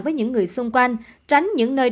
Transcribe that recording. với những người xung quanh tránh những nơi